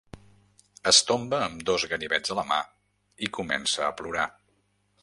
Es tomba amb dos ganivets a la mà i comença a plorar.